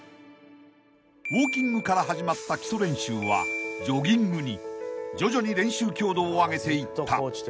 ［ウオーキングから始まった基礎練習はジョギングに徐々に練習強度を上げていった］